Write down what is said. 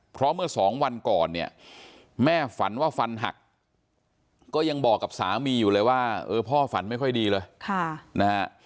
เพราะเมื่อสองวันก่อนเนี่ยแม่ฝันว่าฟันหักก็ยังบอกกับสามีอยู่เลยว่าเออพ่อฝันไม่ค่อยดีเลยนะฮะ